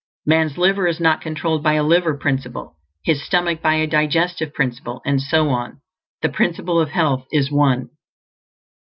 Man's liver is not controlled by a liver principle, his stomach by a digestive principle, and so on; the Principle of Health is One.